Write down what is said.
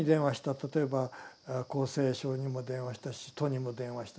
例えば厚生省にも電話したし都にも電話したし。